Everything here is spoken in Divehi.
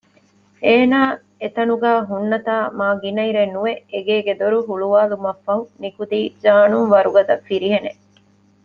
އޭނާ އެތަނުގައި ހުންނަތާ މާ ގިނައިރެއްނުވެ އެގޭގެ ދޮރު ހުޅުވާލުމަށްފަހު ނިކުތީ ޖާނުން ވަރުގަދަ ފިރިހެނެއް